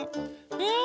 うん！